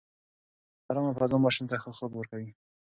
ارامه فضا ماشوم ته ښه خوب ورکوي.